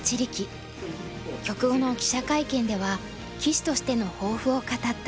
局後の記者会見では棋士としての抱負を語った。